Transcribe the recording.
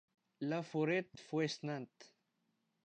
La Forêt-Fouesnant